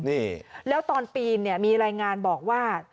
นี่แล้วตอนปีนเนี่ยมีรายงานบอกว่า